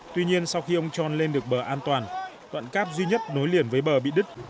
tuy nhiên sau khi ông tròn lên được bờ an toàn đoạn cáp duy nhất nối liền với bờ bị đứt